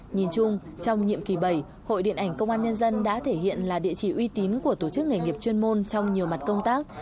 nhìn chung trong nhiệm kỳ bảy hội điện ảnh công an nhân dân đã thể hiện là địa chỉ uy tín của tổ chức nghề nghiệp chuyên môn trong nhiều mặt công tác